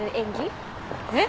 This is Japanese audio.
えっ？